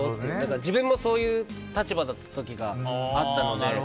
自分もそういう立場だった時があったので。